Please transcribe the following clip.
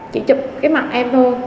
chỉ chụp cái mặt em thôi